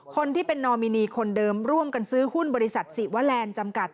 คนที่เป็นนอมินีคนเดิมร่วมกันซื้อหุ้นบริษัทศิวาแลนด์จำกัด